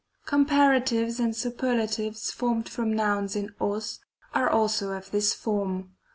Comparatives and Superlatives formed from nouns in og are also of this form.